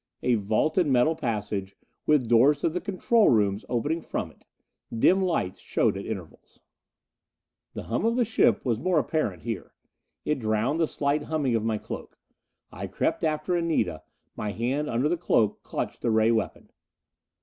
A vaulted metal passage, with doors to the control rooms opening from it. Dim lights showed at intervals. The humming of the ship was more apparent here. It drowned the slight humming of my cloak. I crept after Anita; my hand under the cloak clutched the ray weapon.